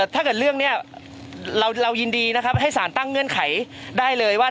ถ้าเกิดเรื่องนี้เรายินดีนะครับให้สารตั้งเงื่อนไขได้เลยว่า